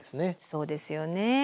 そうですよね。